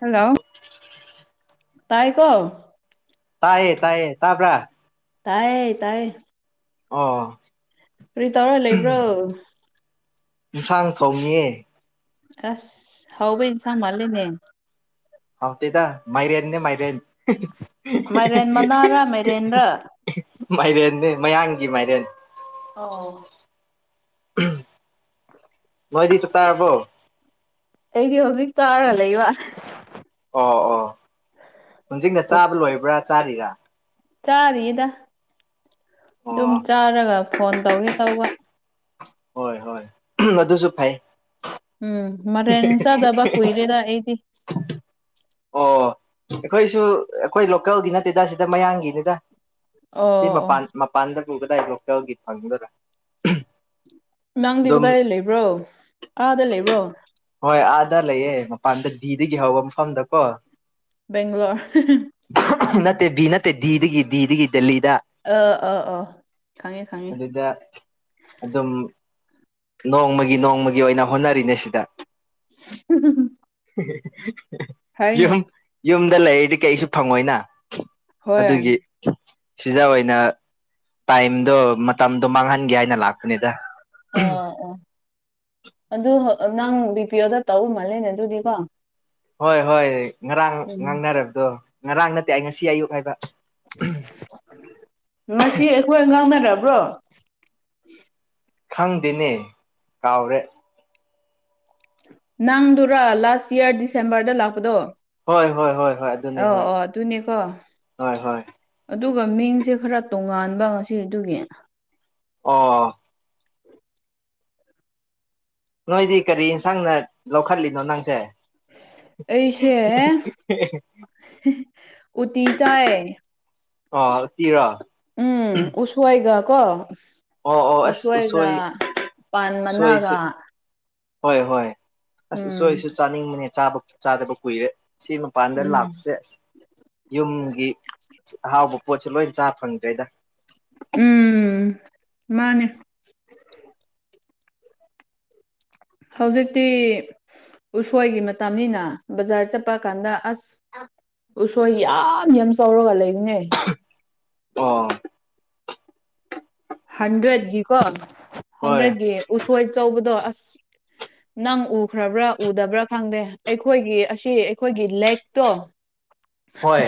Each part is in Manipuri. ꯍꯜꯂꯣ ꯇꯥꯏꯀꯣ꯫ ꯇꯥꯏꯌꯦ ꯇꯥꯏꯌꯦ ꯇꯥꯕ꯭ꯔ꯫ ꯇꯥꯏꯌꯦ ꯇꯥꯏꯌꯦ꯫ ꯑꯣ ꯀꯔꯤ ꯇꯧꯔ ꯂꯩꯕ꯭ꯔꯣ꯫ ꯏꯟꯁꯥꯡ ꯊꯣꯡꯉꯤꯌꯦ꯫ ꯑꯁ ꯍꯥꯎꯕ ꯏꯟꯁꯥꯡ ꯃꯥꯜꯂꯤꯅꯦ꯫ ꯍꯥꯎꯇꯦꯗ ꯃꯥꯏꯔꯦꯟꯅꯦ ꯃꯥꯏꯔꯦꯟ ꯃꯥꯏꯔꯦꯟ ꯃꯅꯥꯔꯥ ꯃꯥꯏꯔꯦꯟꯔꯥ [unintelligible] ꯃꯥꯏꯔꯦꯟꯅꯦ ꯃꯌꯥꯡꯒꯤ ꯃꯥꯏꯔꯦꯟ꯫ ꯅꯣꯏꯗꯤ ꯆꯥꯛ ꯆꯥꯔꯕꯣ꯫ ꯑꯩꯗꯤ ꯍꯧꯖꯤꯛ ꯆꯥꯔ ꯂꯩꯕ꯫ ꯑꯣ ꯑꯣ ꯍꯧꯖꯤꯛꯅ ꯆꯥꯕ ꯂꯣꯏꯕ꯭ꯔ ꯆꯥꯔꯤꯔ꯫ ꯆꯥꯔꯤꯗ ꯑꯗꯨꯝ ꯑꯣ ꯆꯥꯔꯒ ꯐꯣꯟ ꯇꯧꯒꯦ ꯇꯧꯕ꯫ ꯍꯣꯏ ꯍꯣꯏ ꯑꯗꯨꯁꯨ ꯐꯩ꯫ ꯎꯝ ꯃꯔꯦꯟ ꯆꯥꯗꯕ ꯀꯨꯏꯔꯦꯗ ꯑꯩꯗꯤ꯫ ꯑꯣ꯫ ꯑꯩꯈꯣꯏꯁꯨ ꯑꯩꯈꯣꯏ ꯂꯣꯀꯦꯜꯒꯤ ꯅꯠꯇꯦꯗ ꯁꯤꯗ ꯃꯌꯥꯡꯒꯤꯅꯤꯗ꯫ ꯑꯣ ꯁꯤ ꯑꯣ ꯃꯄꯥꯟ ꯃꯄꯥꯟꯗ ꯄꯨꯒꯗꯥꯏ ꯂꯣꯀꯦꯜꯒꯤ ꯐꯪꯒꯗ꯭ꯔ꯫ ꯅꯪꯗꯤ ꯀꯗꯥꯏ ꯂꯩꯕ꯭ꯔꯣ ꯑꯥꯗ ꯂꯩꯕ꯭ꯔꯣ꯫ ꯍꯣꯏ ꯑꯥꯗꯥ ꯂꯩꯌꯦ ꯃꯄꯥꯟꯗ ꯗꯤꯗꯒꯤ ꯍꯧꯕ ꯃꯐꯝꯗ ꯀꯣ꯫ ꯕꯦꯡꯒꯂꯣꯔ꯫ ꯅꯠꯇꯦ ꯕꯤ ꯅꯠꯇꯦ ꯗꯤꯗꯒꯤ ꯗꯤꯗꯒꯤ ꯗꯦꯜꯂꯤꯗ꯫ ꯑꯣ ꯑꯣ ꯑꯣ ꯈꯪꯉꯦ ꯈꯪꯉꯦ꯫ ꯗꯥ꯫ ꯑꯗꯨꯝ꯫ ꯅꯣꯡꯃꯒꯤ ꯅꯣꯡꯃꯒꯤ ꯑꯣꯏꯅ ꯍꯣꯠꯅꯔꯤꯅꯦ ꯁꯤꯗ꯫ [unintelligible] ꯍꯥꯏꯅꯦ ꯌꯨꯝ ꯌꯨꯝꯗ ꯂꯩꯔꯤꯗꯤ ꯀꯩꯁꯨ ꯐꯪꯉꯣꯏꯅ꯫ ꯍꯣꯏ ꯑ ꯑꯗꯨꯒꯤ꯫ ꯁꯤꯗ ꯑꯣꯏꯅ ꯇꯥꯏꯝꯗꯣ ꯃꯇꯝꯗꯣ ꯃꯥꯡꯍꯟꯒꯦ ꯍꯥꯏꯅ ꯂꯥꯛꯄꯅꯤꯗ꯫ ꯑ ꯑꯣ ꯑꯗꯨ ꯅꯪ ꯕꯤ ꯄꯤ ꯑꯣꯗ ꯇꯧ ꯃꯥꯜꯂꯦꯅꯦ ꯑꯗꯨꯗꯤꯀꯣ꯫ ꯍꯣꯏ ꯍꯣꯏ ꯉꯔꯥꯡ ꯎꯝ ꯉꯥꯡꯅꯔꯕꯗꯣ ꯉꯔꯥꯡ ꯅꯠꯇꯦ ꯑꯩ ꯉꯁꯤ ꯑꯌꯨꯛ ꯍꯥꯏꯕ꯫ ꯉꯁꯤ ꯑꯩꯈꯣꯏ ꯉꯥꯡꯅꯗꯕ꯭ꯔꯣ꯫ ꯈꯪꯗꯦꯅꯦ ꯀꯥꯎꯔꯦ ꯅꯪꯗꯨꯔꯥ ꯂꯥꯁ ꯌꯌꯥꯔ ꯗꯤꯁꯦꯝꯕꯔꯗ ꯂꯥꯛꯄꯗꯣ ꯍꯣꯏ ꯍꯣꯏ ꯍꯣꯏ ꯍꯣꯏ ꯑ ꯑꯗꯨꯅꯦ ꯍꯣꯏ ꯑꯣ ꯇꯅꯦꯀꯣ ꯍꯣꯏ ꯍꯣꯏ ꯑꯗꯨꯒ ꯃꯤꯡꯁꯦ ꯈꯔ ꯇꯣꯉꯥꯟꯕ ꯉꯁꯤꯗꯨꯒꯤ ꯑꯣ ꯅꯣꯏꯗꯤ ꯀꯔꯤ ꯌꯦꯟꯁꯥꯡꯅ ꯂꯧꯈꯠꯂꯤꯅꯣ ꯅꯪꯁꯦ ꯑꯩꯁꯦ ꯎꯇ ꯆꯥꯏ ꯑꯣ ꯑꯨꯇꯤꯔꯣ꯫ ꯎꯝ ꯎꯁꯣꯏꯒ ꯀꯣ꯫ ꯑꯣ ꯑꯣ ꯑꯁ ꯎꯁꯣꯏꯒ ꯎꯁꯣꯏ ꯄꯥꯟ ꯎꯁꯣꯏꯁꯨ ꯃꯅꯥꯒ꯫ ꯍꯣꯏ ꯍꯣꯏ ꯑꯁ ꯎꯝ ꯎꯁꯣꯏꯁꯨ ꯆꯥꯅꯤꯡꯕꯅꯦ ꯆꯥꯕ ꯆꯥꯗꯕ ꯀꯨꯏꯔꯦ ꯁꯤꯃ ꯃꯄꯥꯟꯗ ꯎꯝ ꯂꯥꯛꯄꯁꯦ ꯑꯁ ꯌꯨꯝꯒꯤ ꯑꯍꯥꯎꯕ ꯄꯣꯠꯁꯦ ꯂꯣꯏ ꯆꯥ ꯐꯪꯗ꯭ꯔꯦꯗ꯫ ꯎꯝ ꯃꯥꯅꯦ꯫ ꯍꯧꯖꯤꯛꯇꯤ꯫ ꯎꯁꯣꯏꯒꯤ ꯃꯇꯝꯅꯤꯅ ꯕꯖꯥꯔ ꯆꯠꯄ ꯀꯥꯟꯗ ꯑꯁ [unintelligible] ꯎꯁꯣꯏ ꯌꯥꯝ ꯌꯥꯝ ꯆꯥꯎꯔꯒ ꯂꯩꯔꯤꯉꯦ ꯑꯣ ꯍꯟꯗ꯭ꯔꯦꯠꯀꯤꯀꯣ ꯍꯣꯏ ꯍꯟꯗ꯭ꯔꯦꯠꯀꯤ ꯎꯁꯣꯏ ꯑꯆꯧꯕꯗꯣ ꯑꯁ ꯅꯪ ꯎꯈ꯭ꯔꯕ꯭ꯔꯥ ꯎꯗꯕ꯭ꯔꯥ ꯈꯪꯗꯦ ꯑꯩꯈꯣꯏꯒꯤ ꯑꯁꯤ ꯑꯩꯈꯣꯏꯒꯤ ꯂꯦꯛꯇꯣ ꯍꯣꯏ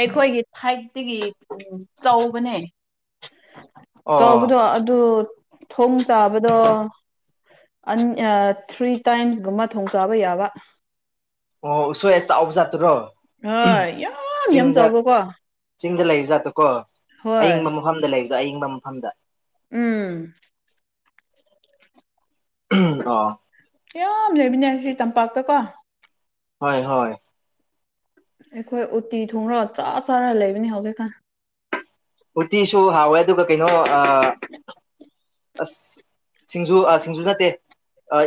ꯑꯩꯈꯣꯏꯒꯤ ꯁꯥꯏꯠꯇꯒꯤ ꯎ ꯆꯥꯎꯧꯕꯅꯦ ꯑꯣ ꯆꯥꯎꯕꯗꯣ ꯑꯗꯨ ꯊꯣꯡ ꯆꯥꯕꯗꯣ ꯊ꯭ꯔꯤ ꯇꯥꯏꯝꯁꯒꯨꯝꯕ ꯊꯣꯡ ꯆꯥꯕ ꯌꯥꯕ ꯑꯣ ꯁꯣꯏ ꯆꯥꯎꯕꯖ ꯇ꯭ꯔꯣ ꯍꯣꯏ ꯌꯥꯝ ꯌꯥꯝ ꯆꯥꯎꯕꯀꯣ ꯆꯤꯡꯗ ꯂꯩꯕ ꯖꯥꯠꯇꯨ ꯀꯣ ꯍꯣꯏ ꯑꯌꯤꯡꯕ ꯃꯐꯝꯗ ꯂꯩꯕꯗꯣ ꯑꯌꯤꯡꯕ ꯃꯐꯝꯗ ꯎꯝ ꯑ ꯌꯥꯝꯌꯥꯝ ꯂꯩꯕꯅꯦ ꯁꯤ ꯇꯝꯄꯥꯛꯇꯀꯣ ꯍꯣꯏ ꯍꯣꯏ ꯑꯩꯈꯣꯏ ꯎꯠꯇꯤ ꯊꯣꯡꯔꯒ ꯆꯥ ꯆꯥꯔ ꯂꯩꯕꯅꯤ ꯍꯧꯖꯤꯛꯀꯥꯟ ꯎꯇꯤꯁꯨ ꯍꯥꯎꯋꯦ ꯑꯗꯨꯒ ꯀꯩꯅꯣ ꯎꯝ ꯑꯁ ꯁꯤꯡꯖꯨ ꯁꯤꯡꯖꯨ ꯅꯠꯇꯦ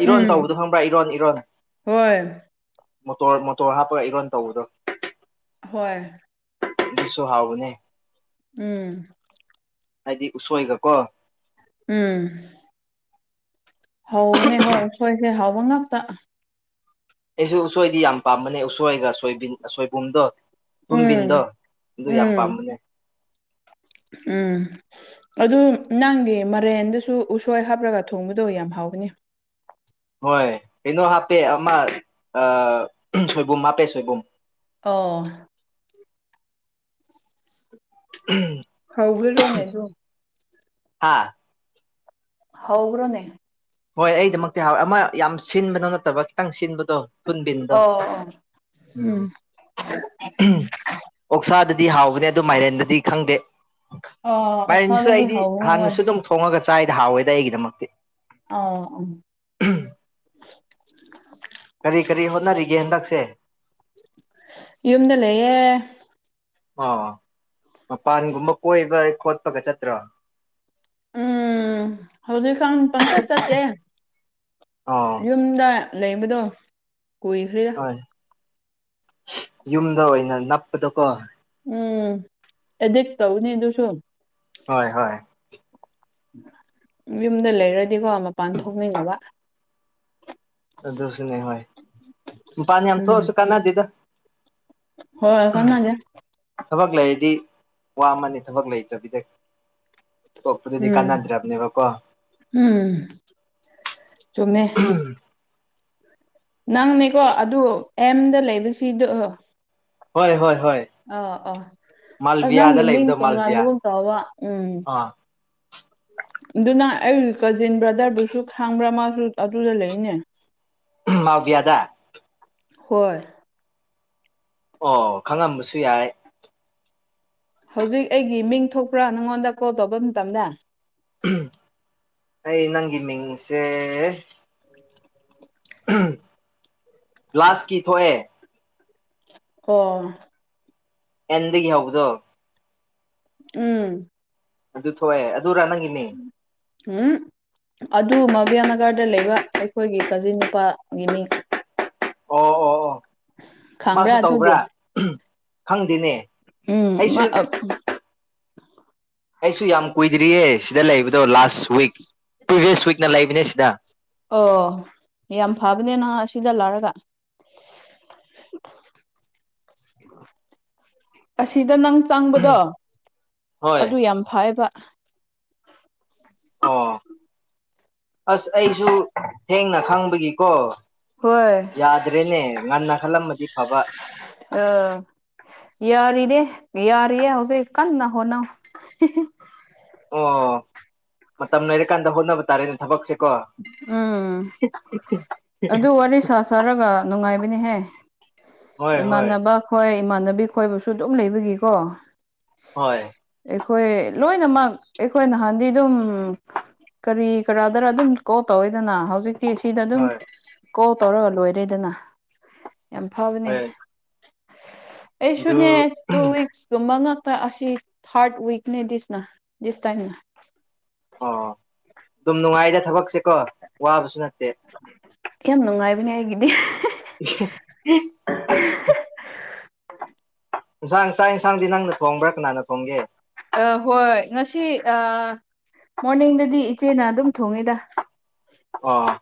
ꯏꯔꯣꯟ ꯎꯝ ꯇꯧꯕꯗꯣ ꯈꯪꯕ꯭ꯔꯥ ꯏꯔꯣꯟ ꯏꯔꯣꯟ ꯍꯣꯏ ꯃꯣꯇꯣꯔ ꯃꯣꯇꯣꯔ ꯍꯥꯞꯄꯒ ꯏꯔꯣꯟ ꯇꯧꯕꯗꯣ ꯍꯣꯏ ꯃꯤꯁꯨꯣ ꯍꯥꯎꯕꯅꯦ ꯎꯝ ꯍꯥꯏꯗꯤ ꯎꯁꯣꯏꯒ ꯀꯣ ꯎꯝ ꯍꯧꯕꯅꯦ ꯍꯣꯏ ꯁꯣꯏꯁꯦ ꯍꯥꯎꯕ ꯉꯥꯛꯇ ꯑꯩꯁꯨ ꯎꯁꯣꯏꯗꯤ ꯌꯥꯝ ꯄꯥꯝꯕꯅꯦ ꯎꯁꯣꯏꯒ ꯁꯣꯏ ꯁꯣꯏꯕꯨꯝꯗꯣ ꯊꯨꯝꯕꯤꯟꯗꯣ ꯎꯝ ꯑꯗꯨ ꯌꯥꯝ ꯎꯝ ꯄꯥꯝꯕꯅꯦ ꯎꯝ ꯑꯗꯨ ꯅꯪꯗꯤ ꯃꯔꯦꯟꯗꯁꯨ ꯎꯁꯣꯏ ꯍꯥꯞꯂꯒ ꯊꯣꯡꯕꯗꯣ ꯌꯥꯝ ꯍꯥꯎꯒꯅꯤ ꯍꯣꯏ ꯀꯩꯅꯣ ꯍꯥꯞꯄꯦ ꯑꯃ ꯁꯣꯏꯕꯨꯝ ꯍꯥꯞꯄꯦ ꯁꯣꯏꯕꯨꯝ ꯑꯣ ꯎꯝ ꯍꯧꯕꯤ꯭ꯔꯣꯅꯦ ꯑꯗꯨ ꯍꯥꯥ ꯍꯥꯎꯕꯔꯣꯅꯦ ꯍꯣꯏ ꯑꯩꯗꯃꯛꯇꯤ ꯍꯥꯎꯋꯦ ꯑꯃ ꯌꯥꯝ ꯁꯤꯟꯕꯗꯣ ꯅꯠꯇꯕ ꯈꯤꯇꯪ ꯁꯤꯟꯕꯗꯣ ꯊꯟꯕꯤꯤꯟꯗ ꯑꯣ ꯑꯣ ꯎꯝ [unintelligible] ꯑꯣꯛꯁꯥꯗꯗꯤ ꯍꯥꯎꯕꯅꯦ ꯑꯗꯨ ꯃꯥꯏꯔꯦꯟꯗꯗꯤ ꯈꯪꯗꯦ ꯑꯣ ꯃꯥꯏꯝꯁꯨ ꯑꯣꯛꯁꯥꯗꯨꯗꯤ ꯑꯩꯗꯤ ꯍꯧꯕꯅꯦ ꯍꯣꯏ ꯍꯥꯟꯅꯁꯨ ꯑꯗꯨꯝ ꯊꯣꯡꯉꯒ ꯆꯥꯏꯗ ꯍꯥꯎꯋꯦꯗ ꯑꯩꯒꯤꯗꯃꯛꯇꯤ ꯑ-ꯑ ꯎꯝ ꯀꯔꯤ ꯀꯔꯤ ꯍꯣꯠꯅꯔꯤꯒꯦ ꯍꯟꯗꯛꯁꯦ ꯌꯨꯝꯗ ꯂꯩꯌꯦꯦ ꯑꯥ ꯃꯄꯥꯟꯒꯨꯝꯕ ꯀꯣꯏꯕ ꯈꯣꯠꯄꯒ ꯆꯠꯇ꯭ꯔꯣ ꯎꯝ ꯍꯧꯗ ꯀꯥꯎꯟ ꯄꯪꯊ ꯆꯠꯇꯦ ꯑꯣ ꯌꯨꯝꯗ ꯂꯩꯕꯗꯣ ꯀꯨꯏꯈ꯭ꯔꯦꯗ ꯍꯣꯏ ꯌꯨꯝꯗ ꯑꯣꯏꯅ ꯅꯞꯄꯗꯣꯀꯣ ꯎꯝ ꯑꯦꯗꯤꯛ ꯇꯧꯅꯤ ꯑꯗꯨꯁꯨ ꯍꯣꯏ ꯍꯣꯏ ꯌꯨꯝꯗ ꯂꯩꯔꯗꯤꯀꯣ ꯃꯄꯥꯟ ꯊꯣꯛꯃꯤꯕ ꯑꯗꯨꯁꯨꯅꯦ ꯍꯣꯏ ꯃꯄꯥꯟ ꯌꯥꯝ ꯎꯝ ꯊꯣꯛꯑꯁꯨ ꯀꯥꯟꯅꯗꯦꯗ ꯍꯣꯏ ꯀꯥꯅꯥꯗꯦ ꯊꯕꯛ ꯂꯩꯔꯗꯤ ꯋꯥ ꯑꯃꯅꯤ ꯊꯕꯛ ꯂꯩꯇ꯭ꯔꯕꯤꯗ ꯇꯣꯞꯄꯗꯨꯗꯤ ꯎꯝ ꯀꯥꯟꯅꯗ꯭ꯔꯕꯅꯦꯕꯀꯣ ꯎꯝ ꯆꯨꯃꯃꯦ ꯎꯝ [unintelligible] ꯅꯪꯅꯦꯀꯣ ꯑꯗꯨ ꯑꯦꯝꯗ ꯂꯩꯕꯁꯤꯗꯣ ꯍꯣꯏ-ꯍꯣꯏ-ꯍꯣꯏ ꯑ-ꯑ ꯑ ꯅꯪꯒꯤ ꯃꯤꯡ ꯂꯩꯕꯗꯣ ꯃꯥꯜꯕꯤꯌꯥ ꯇꯣꯉꯥꯟꯕꯒꯨꯝ ꯇꯧꯕ ꯎꯝ ꯑꯥ ꯑꯗꯨꯅ ꯑꯩ ꯀꯖꯤꯟ ꯕ꯭ꯔꯥꯗꯔꯗꯨꯁꯨ ꯈꯪꯕ꯭ꯔꯥ ꯃꯥꯁꯨ ꯑꯗꯨꯗ ꯂꯩꯅꯦ [inaudible] ꯃꯕꯤꯌꯥꯗ ꯍꯣꯏ ꯑꯣ ꯈꯪꯉꯝꯕꯁꯨ ꯌꯥꯏ ꯍꯧꯖꯤꯛ ꯑꯩꯒꯤ ꯃꯤꯡ ꯊꯣꯛꯄ꯭ꯔꯥ ꯅꯪꯉꯣꯟꯗ ꯀꯣꯜ ꯇꯧꯕ ꯃꯇꯝꯗ ꯑꯩ ꯅꯪꯒꯤ ꯃꯤꯡꯁꯦ ꯂꯥꯁꯀꯤ ꯊꯣꯛꯑꯦ ꯑꯣ ꯑꯦꯟꯗꯒꯤ ꯍꯧꯕꯗꯣ ꯎꯝ ꯑꯗꯨ ꯊꯣꯛꯑꯦ ꯑꯗꯨꯔꯥ ꯅꯪꯒꯤ ꯃꯤꯡ ꯎꯝ ꯑꯗꯨ ꯃꯕꯤꯌꯥ ꯅꯥꯒꯥꯔꯗ ꯂꯩꯕ ꯑꯩꯈꯣꯏꯒꯤ ꯀꯥꯖꯤꯟ ꯅꯨꯄꯥꯒꯤ ꯃꯤꯡ ꯑꯣ-ꯑꯣ-ꯑꯣ ꯈꯪꯕ꯭ꯔꯥ ꯃꯥꯁꯨ ꯑꯗꯨꯕꯨ ꯇꯧꯕ꯭ꯔꯥ ꯈꯪꯗꯦꯅꯦ ꯎꯝ ꯑꯩꯁꯨ ꯃꯥ ꯑꯩꯁꯨ ꯌꯥꯝ ꯀꯨꯏꯗ꯭ꯔꯤꯌꯦ ꯁꯤꯗ ꯂꯩꯕꯗꯣ ꯂꯥꯁ ꯋꯤꯛ ꯄ꯭ꯔꯤꯚꯤꯌꯁ ꯋꯤꯛꯅ ꯂꯩꯕꯅꯦ ꯁꯤꯗ ꯑꯣ ꯌꯥꯝ ꯐꯕꯅꯦ ꯅꯍ ꯑꯁꯤꯗ ꯂꯥꯛꯔꯒ ꯑꯁꯤꯗ ꯅꯪ ꯆꯪꯕꯗꯣ ꯍꯣꯏ ꯑꯗꯨ ꯌꯥꯝ ꯐꯩꯌꯦꯕ ꯑꯣ ꯑꯁ ꯑꯩꯁꯨ ꯊꯦꯡꯅ ꯈꯪꯕꯒꯤꯀꯣ ꯍꯣꯏ ꯌꯥꯗ꯭ꯔꯦꯅꯦ ꯉꯟꯅ ꯈꯜꯂꯝꯃꯥꯗꯤ ꯐꯕ ꯑ ꯌꯥꯔꯤꯅꯦ ꯌꯥꯔꯤꯌꯦ ꯍꯧꯖꯤꯛ ꯀꯟꯅꯥ ꯍꯣꯠꯅꯧ ꯍꯤ ꯍꯤ ꯑꯣ ꯃꯇꯝ ꯂꯩꯔꯀꯥꯟꯗ ꯍꯣꯠꯅꯕ ꯇꯥꯔꯦꯅꯦ ꯊꯕꯛꯁꯦ ꯎꯝ ꯑꯗꯨꯗꯣ ꯋꯥꯔꯤ ꯁꯥꯁ ꯁꯥꯔꯒ ꯅꯨꯡꯉꯥꯏꯕꯅꯤꯍꯦ ꯍꯣꯏ ꯍꯣꯏ ꯏꯃꯥꯟꯅꯕ ꯍꯣꯏ ꯏꯃꯥꯟꯅꯕꯤ ꯈꯣꯏꯕꯁꯨ ꯑꯗꯨꯝ ꯂꯩꯕꯒꯤꯀꯣ ꯍꯣꯏ ꯑꯩꯈꯣꯏ ꯂꯣꯏꯅꯃꯛ ꯑꯩꯈꯣꯏ ꯅꯍꯥꯟꯗꯤ ꯑꯗꯨꯝ ꯀꯔꯤ ꯀꯔꯥꯗꯔ ꯑꯗꯨꯝ ꯀꯣꯜ ꯇꯧꯔꯦꯗꯅ ꯍꯧꯖꯤꯛꯇꯤ ꯁꯤꯗ ꯑꯗꯨꯝ ꯍꯣꯏ ꯀꯣꯜ ꯇꯧꯔꯒ ꯂꯣꯏꯔꯦꯗꯅ ꯌꯥꯝ ꯐꯕꯅꯦ ꯍꯣꯏ ꯑꯗꯨ ꯑꯩꯁꯨꯅꯦ ꯇꯨ ꯋꯤꯛꯁꯀꯨꯝꯕ ꯉꯥꯛꯇ ꯑꯁꯤ ꯊꯥꯔꯠ ꯋꯤꯛꯅꯦ ꯗꯤꯁꯅ ꯗꯤꯁ ꯇꯥꯏꯝꯅ ꯑꯣ ꯑꯗꯨꯝ ꯅꯨꯡꯉꯥꯏꯗ ꯊꯕꯛꯁꯦꯀꯣ ꯋꯥꯕꯁꯨ ꯅꯠꯇꯦ ꯌꯥꯝ ꯅꯨꯡꯉꯥꯏꯕꯅꯦ ꯑꯩꯒꯤꯗꯤ [inaudible] ꯏꯟꯁꯥꯡ ꯆꯥꯛ ꯏꯟꯁꯥꯡꯗꯤ ꯅꯪꯅ ꯊꯣꯡꯕ꯭ꯔꯥ ꯀꯅꯥꯅ ꯊꯣꯡꯒꯦ ꯑ ꯍꯣꯏ ꯉꯁꯤ ꯃꯣꯔꯅꯤꯡꯗꯗꯤ ꯏꯆꯦꯅ ꯑꯗꯨꯝ ꯊꯣꯡꯉꯤꯗ ꯑꯣ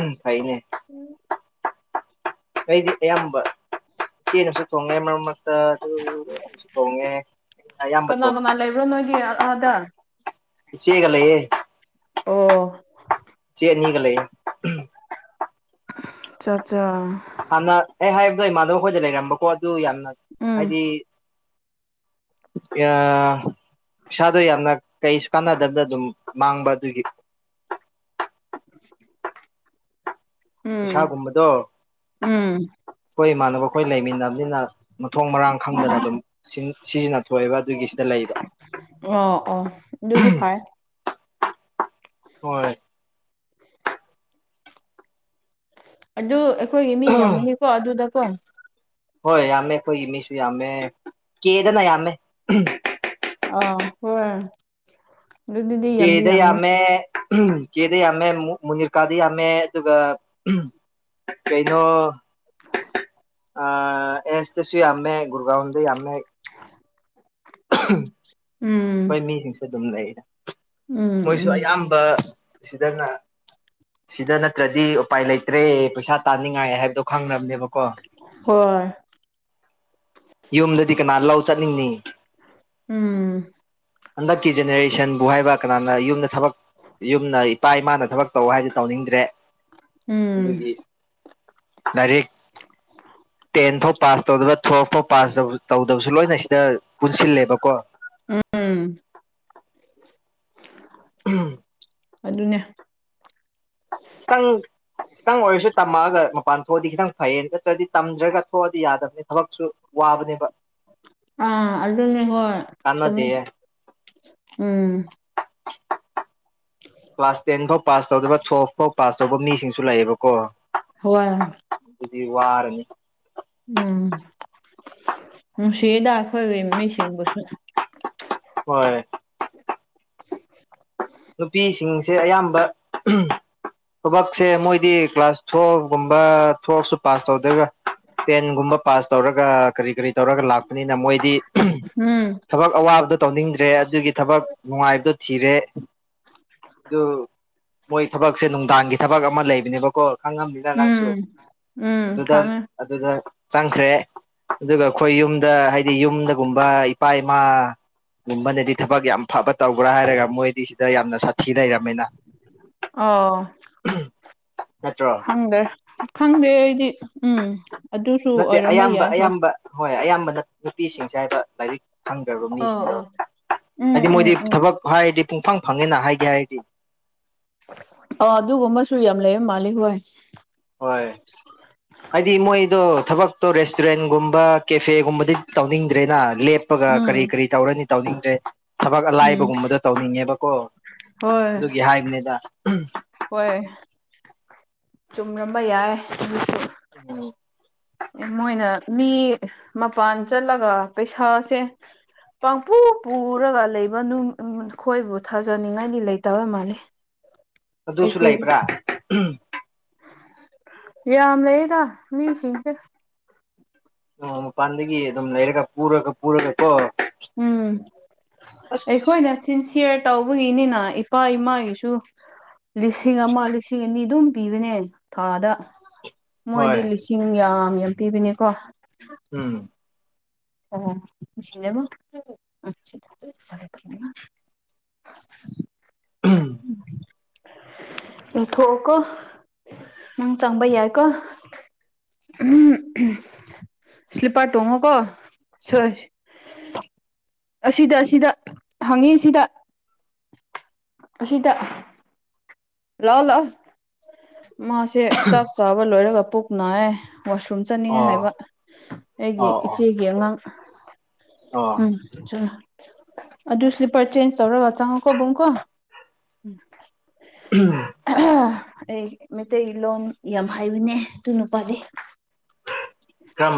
ꯎ ꯐꯩꯅꯦ ꯑꯩꯩꯗꯤ ꯑꯌꯥꯝꯕ ꯏꯆꯦꯅꯁꯨ ꯇꯣꯡꯉꯦ ꯃꯔꯛ ꯃꯔꯛꯇ ꯑꯗꯨꯁꯨ ꯊꯣꯡꯉꯦ ꯑꯩꯅ ꯑꯌꯥꯝꯕ ꯀꯅꯥꯅꯂ ꯂꯩꯕ꯭ꯔꯅꯣꯏꯒꯤ ꯑꯗ ꯏꯆꯦꯒꯂꯩꯌꯦ ꯑꯣ ꯀꯅꯤꯒ ꯂꯩ ꯑꯆꯥꯠꯆꯥ ꯍꯥꯟꯅ ꯑꯩ ꯍꯥꯏꯕꯗꯣ ꯏꯃꯥꯟꯅꯕꯈꯣꯏꯗ ꯂꯩꯔꯝꯕꯀꯣ ꯑꯗꯨ ꯌꯥꯝꯅ ꯎꯝ ꯍꯥꯏꯗꯤ ꯄꯩꯁꯥꯗꯣ ꯌꯥꯝꯅ ꯀꯩꯁꯨ ꯀꯥꯟꯅꯗꯕꯅ ꯑꯗꯨꯝ ꯃꯥꯡꯕ ꯑꯗꯨꯒꯤ [unintelligible] ꯄꯩꯁꯥꯒꯨꯝꯕꯗꯣ ꯎꯝ ꯑꯩꯈꯣꯏ ꯏꯃꯥꯟꯅꯕꯈꯣꯏ ꯂꯩꯃꯤꯟꯅꯕꯅꯤꯅ ꯃꯊꯣꯡ ꯃꯔꯥꯡ ꯈꯪꯗꯅ ꯑꯗꯨꯝ ꯁꯤꯖꯤꯟꯅ ꯊꯣꯛꯑꯦꯕ ꯑꯗꯨꯒꯤꯁꯤꯗ ꯂꯩꯕ ꯑꯣ ꯑꯣ ꯑꯗꯨꯗꯤ ꯐꯥꯏ ꯍꯣꯏ ꯑꯗꯨ ꯑꯩꯈꯣꯏꯒꯤ ꯃꯤ ꯌꯥꯝꯃꯅꯤꯀꯣ ꯑꯗꯨꯗꯀꯣ ꯍꯣꯏ ꯌꯥꯝꯃꯦ ꯑꯩꯈꯣꯏꯒꯤ ꯃꯤꯁꯨ ꯌꯥꯝꯃꯦ ꯀꯦꯗꯅ ꯌꯥꯝꯃꯦ ꯑ ꯍꯣꯏ ꯑꯗꯨꯗꯤ ꯌꯥꯝꯗꯤ ꯀꯦꯗ ꯌꯥꯝꯅꯤ ꯌꯥꯃꯦ ꯀꯦꯗ ꯌꯥꯃꯦ ꯃꯅꯤꯔꯀꯥꯗ ꯌꯥꯝꯃꯦ ꯑꯗꯨꯒ ꯀꯩꯅꯣ [unintelligible] ꯑ ꯑꯦꯁꯇ ꯁꯤ ꯌꯥꯝꯃꯦ ꯒꯨꯔꯒꯥꯎꯟꯗ ꯌꯥꯝꯃꯦ ꯎꯝ ꯎꯝ ꯍꯣꯏ ꯃꯤꯁꯤꯡꯁꯨ ꯑꯗꯨꯝ ꯂꯩꯗ ꯎꯝ ꯃꯣꯏꯁꯨ ꯎꯝ ꯑꯌꯥꯝꯕ ꯁꯤꯗꯅ ꯁꯤꯗ ꯅꯠꯇ꯭ꯔꯗꯤ ꯎꯄꯥꯏ ꯂꯩꯇ꯭ꯔꯦ ꯄꯩꯁꯥ ꯇꯥꯅꯤꯡꯉꯥꯏ ꯍꯥꯏꯕꯗꯣ ꯈꯪꯅꯕꯅꯦꯕꯀꯣ ꯍꯣꯏ ꯌꯧꯗꯗꯤ ꯀ ꯅ ꯂꯧ ꯆꯠꯅꯤꯡꯅꯤ ꯎꯝ ꯍꯟꯗꯛꯀꯤ ꯖꯦꯅꯦꯔꯦꯁꯟꯕꯨ ꯍꯥꯏꯕ ꯀꯅꯥꯅ ꯌꯨꯝꯗ ꯊꯕꯛ ꯌꯨꯝꯅ ꯏꯄꯥ ꯏꯃꯥꯅ ꯊꯕꯛ ꯇꯧ ꯍꯥꯏꯗꯤ ꯇꯧꯅꯤꯡꯗ꯭ꯔꯦ ꯎꯝ ꯑꯗꯨꯒꯤ ꯂꯥꯏꯔꯤꯛ ꯇꯦꯟ ꯐꯥꯎ ꯄꯥꯁ ꯇꯧꯗꯕ ꯇꯨꯋꯜꯐ ꯐꯥꯎ ꯄꯥꯁ ꯇꯧꯗꯕꯁꯨ ꯂꯣꯏꯅ ꯁꯤꯗ ꯄꯨꯟꯁꯤꯜꯂꯦꯕꯀꯣ ꯎꯝ ꯎꯝ ꯑꯗꯨꯅꯦ ꯀꯪ ꯈꯤꯇꯪ ꯑꯣꯏꯔꯁꯨ ꯇꯝꯃꯛꯑꯒ ꯃꯄꯥꯟ ꯊꯣꯛꯑꯗꯤ ꯈꯤꯇꯪ ꯐꯩꯌꯦ ꯅꯠꯇ꯭ꯔꯗꯤ ꯇꯝꯗ꯭ꯔꯒ ꯊꯣꯛꯑꯗꯤ ꯌꯥꯗꯕꯅꯤ ꯊꯕꯛꯁꯨ ꯋꯥꯕꯅꯦꯕ ꯑꯥ ꯑꯗꯨꯅꯤ ꯍꯣꯏ ꯆꯨꯝꯃꯤ ꯀꯥꯟꯅꯗꯦ ꯎꯝ ꯀ꯭ꯂꯥꯁ ꯇꯦꯟ ꯐꯥꯎ ꯄꯥꯁ ꯇꯧꯗꯕ ꯇꯨꯋꯦꯜꯞ ꯐꯥꯎ ꯄꯥꯁ ꯇꯧꯕ ꯃꯤꯁꯤꯡꯁꯨ ꯂꯥꯛꯑꯦꯕꯀꯣ ꯍꯣꯏ ꯑꯗꯨꯗꯤ ꯋꯥꯔꯦ ꯎꯝ ꯅꯨꯡꯁꯤꯗ ꯑꯩꯈꯣꯏꯒꯤ ꯃꯤꯁꯤꯡꯕꯨꯁꯨ ꯍꯣꯏ [unintelligible] ꯅꯨꯄꯤꯁꯤꯡꯁꯦ ꯑꯌꯥꯝꯕ ꯊꯕꯛꯁꯦ ꯃꯣꯏꯗꯤ ꯀ꯭ꯂꯥꯁ ꯇꯨꯋꯦꯜꯞ ꯀꯨꯝꯕꯥ ꯄꯥꯁ ꯇꯧꯗꯔꯒ ꯇꯦꯟꯒꯨꯝꯕ ꯄꯥꯁ ꯇꯧꯔꯒ ꯀꯔꯤ ꯀꯔꯤ ꯇꯧꯔꯒ ꯂꯥꯛꯄꯅꯤꯅ ꯃꯣꯏꯗꯤ ꯎꯝ ꯊꯕꯛ ꯑꯋꯥꯕꯗꯣ ꯇꯧꯅꯤꯡꯗ꯭ꯔꯦ ꯑꯗꯨꯒꯤ ꯊꯕꯛ ꯅꯨꯡꯉꯥꯏꯕꯗꯣ ꯊꯤꯔꯦ ꯑꯗꯨ ꯃꯣꯏ ꯊꯕꯛꯁꯦ ꯅꯨꯡꯗꯥꯡꯒꯤ ꯊꯕꯛ ꯑꯃ ꯂꯩꯕꯅꯦꯕꯀꯣ ꯈꯪꯉꯝꯅꯤꯗꯥ ꯅꯪꯁꯨ ꯎꯝ ꯎꯝ ꯑꯗꯨꯗ ꯈꯪꯉꯦ ꯑꯗꯨꯗ ꯆꯪꯈ꯭ꯔꯦ ꯑꯗꯨꯒ ꯑꯩꯈꯣꯏ ꯌꯨꯝꯗ ꯍꯥꯏꯗꯤ ꯌꯨꯝꯗꯒꯨꯝꯕ ꯏꯄꯥ ꯏꯃꯥ ꯃꯅꯗꯤ ꯊꯕꯛ ꯌꯥꯝ ꯐꯕ ꯇꯧꯕ꯭ꯔꯥ ꯍꯥꯏꯔꯒ ꯃꯣꯏꯗꯤ ꯁꯤꯗ ꯌꯥꯝꯅ ꯁꯥꯊꯤ ꯂꯩꯔꯕꯝꯅꯤꯅ ꯑꯧ ꯅꯠꯇ꯭ꯔꯣ ꯈꯪꯗꯦ ꯈꯪꯗꯦ ꯑꯩꯗꯤ ꯎꯝ ꯑꯗꯨꯁꯨ ꯅꯠꯇꯦ ꯑꯣꯏꯔꯝꯕ ꯑꯌꯥꯝꯕ ꯌꯥꯏ ꯍꯣꯏ ꯑꯌꯥꯝꯕ ꯍꯣꯏ ꯑꯌꯥꯝꯕꯅ ꯅꯨꯄꯤꯁꯤꯡꯁꯦ ꯍꯥꯏꯕ ꯂꯥꯏꯔꯤꯛ ꯈꯪꯈ꯭ꯔꯕ ꯑꯥ ꯃꯤꯁꯤꯡꯗꯣ ꯑꯥ ꯎꯝ ꯍꯥꯏꯗꯤ ꯎꯝ ꯃꯣꯏꯗꯤ ꯎꯝ ꯊꯕꯛ ꯍꯥꯏꯔꯗꯤ ꯄꯨꯡꯐꯪ ꯐꯪꯉꯦꯅ ꯍꯥꯏꯒꯦ ꯍꯥꯏꯔꯗꯤ ꯑ ꯑꯗꯨꯒꯨꯝꯕꯁꯨ ꯌꯥꯝ ꯂꯩꯔ ꯃꯥꯜꯂꯤ ꯍꯣꯏ ꯍꯣꯏ ꯍꯥꯏꯗꯤ ꯃꯣꯏꯗꯣ ꯊꯕꯛꯇꯣ ꯔꯦꯁꯇꯨꯔꯦꯟꯒꯨꯝꯕ ꯀꯦꯐꯦꯒꯨꯝꯕꯗꯤ ꯇꯧꯅꯤꯡꯗ꯭ꯔꯦꯅ ꯂꯦꯞ ꯄꯒ ꯎꯝ ꯀꯔꯤ ꯀꯔꯤ ꯇꯧꯔꯅꯤ ꯇꯧꯅꯤꯡꯗ꯭ꯔꯦ ꯊꯕꯛ ꯎꯝ ꯑꯂꯥꯏꯕꯒꯨꯝꯕꯗꯣ ꯇꯧꯅꯤꯡꯉꯦꯕꯀꯣ ꯍꯣꯏ ꯑꯗꯨꯒꯤ ꯍꯥꯏꯕꯅꯤꯗ ꯍꯣꯏ ꯆꯨꯝꯔꯝꯕ ꯌꯥꯏ ꯑꯗꯨꯁꯨ [unintelligible] ꯃꯣꯏꯅ ꯃꯤ ꯃꯄꯥꯟ ꯆꯠꯂꯒ ꯄꯩꯁꯥꯁꯦ ꯄꯥꯡꯄꯨ ꯄꯨꯔꯒ ꯂꯩꯕꯅꯨꯡ ꯅꯣꯏꯕꯨ ꯊꯥꯖꯅꯤꯡꯉꯥꯏꯗꯤ ꯂꯩꯇꯕ ꯃꯥꯜꯂꯤ [unintelligible] ꯑꯗꯨꯁꯨ ꯑꯩꯈꯣꯏꯒꯤ ꯂꯩꯕ꯭ꯔꯥ ꯌꯥꯝ ꯂꯩꯅ ꯃꯤ ꯁꯤꯡ ꯁꯤ ꯎ ꯃꯄꯥꯟꯗꯒꯤ ꯑꯗꯨꯝ ꯂꯩꯔꯒ ꯄꯨꯔꯒ ꯄꯨꯔꯒ ꯀꯣ ꯎꯝ ꯑꯁ ꯑꯩꯈꯣꯏꯅ ꯁꯤꯟꯁꯤꯌꯥꯔ ꯇꯧꯕꯒꯤꯅꯤꯅ ꯏꯄꯥ ꯏꯃꯥꯒꯤꯁꯨ ꯂꯤꯁꯤꯡ ꯑꯃ ꯂꯤꯁꯤꯡ ꯑꯅꯤ ꯑꯗꯨꯝ ꯄꯤꯕꯅꯦ ꯊꯥꯗ ꯃꯣꯏꯗꯤ ꯍꯣꯏ ꯂꯤꯁꯤꯡ ꯌꯥꯝ ꯌꯥꯝ ꯄꯤꯕꯅꯦꯀꯣ ꯎꯝ ꯑꯣꯁꯤ ꯂꯩꯕꯣ ꯎ ꯎꯝ ꯏꯊꯣꯛꯑꯣꯀꯣ ꯅꯪ ꯆꯪꯕ ꯌꯥꯏꯀꯣ ꯎ ꯁ꯭ꯂꯤꯄꯔ ꯇꯣꯡꯉꯣꯀꯣ ꯁꯣꯏ ꯑꯁꯤꯗ ꯑꯁꯤꯗ ꯍꯪꯉꯤ ꯁꯤꯗ ꯑꯁꯤꯗ ꯂꯥꯛꯑꯣ ꯂꯥꯛꯑꯣ ꯃꯥꯁꯦ ꯆꯥꯛ ꯆꯥꯕ ꯂꯣꯏꯔꯒ ꯄꯨꯛꯅꯥꯏ ꯋꯥꯁꯔꯨꯝ ꯆꯠꯅꯤꯡꯉꯦ ꯑꯣ ꯍꯥꯏꯕ ꯑꯩꯒꯤ ꯑꯣ ꯑꯣ ꯏꯆꯦꯒꯤ ꯑꯉꯥꯡ ꯑꯣ ꯎꯝ ꯑꯗꯨ ꯁ꯭ꯂꯤꯄꯔ ꯆꯦꯟꯖ ꯇꯧꯔꯒ ꯆꯉꯨ ꯀꯣ ꯕꯨꯨꯡ ꯀꯣ [unintelligible] [unintelligible] ꯑꯩ ꯃꯩꯇꯩꯂꯣꯟ ꯌꯥꯝ ꯍꯥꯏꯕꯅꯦ ꯑꯗꯨ ꯅꯨꯄꯥꯗꯤ ꯫ ꯀꯔꯝ